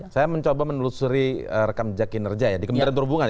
saya mencoba menelusuri rekam jakinerja ya di kementerian perhubungan